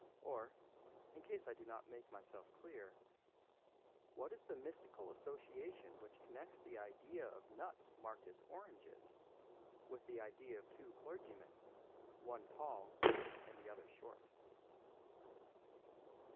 Or, in case I do not make myself clear, what is the mystical association which connects the idea of nuts marked as oranges with the idea of two clergymen, one tall and the other short?"